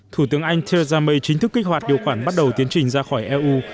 thủ tướng anh theresa may chính thức kích hoạt điều khoản bắt đầu tiến trình ra khỏi eu